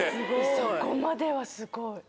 そこまではすごい。